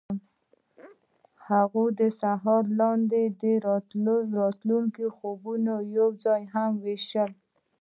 هغوی د سهار لاندې د راتلونکي خوبونه یوځای هم وویشل.